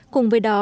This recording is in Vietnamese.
cùng với đó